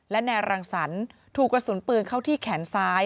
และนายรังสรรค์ถูกกระสุนปืนเข้าที่แขนซ้าย